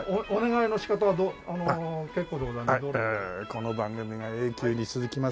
この番組が永久に続きますように。